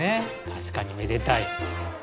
確かにめでたい。